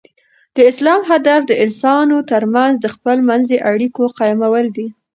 د اسلام هدف د انسانانو تر منځ د خپل منځي اړیکو قایمول دي.